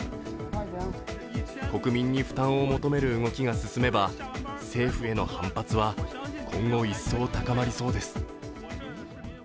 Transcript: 国民に負担を求める動きが進めば政府への反発は今後一層高まりそうです。